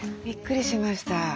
びっくりしました。